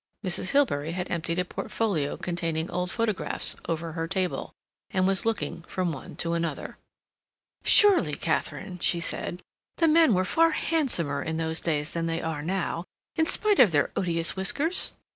Mrs. Hilbery had emptied a portfolio containing old photographs over her table, and was looking from one to another. "Surely, Katharine," she said, "the men were far handsomer in those days than they are now, in spite of their odious whiskers?